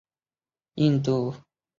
他还从印度东北部报道。